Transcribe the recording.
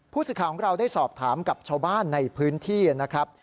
ผู้สื่อข่าวของเราได้สอบถามกับชาวบ้านในพื้นที่นะครับ